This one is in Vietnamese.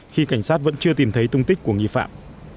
khi cảnh sát vẫn chưa tìm thấy tung tích của nghi phạm